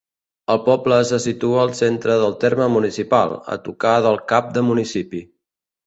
El poble se situa al centre del terme municipal, a tocar del cap de municipi.